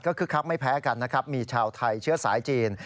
คึกคักไม่แพ้กันนะครับมีชาวไทยเชื้อสายจีน